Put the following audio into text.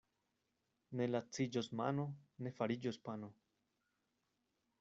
Ne laciĝos mano, ne fariĝos pano.